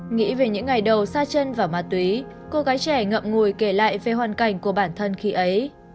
nghĩ về những ngày đầu xa chân và ma túy cô gái trẻ ngậm ngùi kể lại về hoàn cảnh của bản thân khi ấy